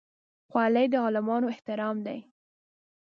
خولۍ د عالمانو احترام دی.